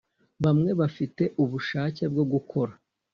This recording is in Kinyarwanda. bamwe bafite ubushake bwo gukora